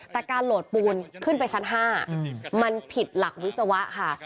แต่การโหลดปูนขึ้นไปชั้น๕มันผิดหลักวิศวะค่ะ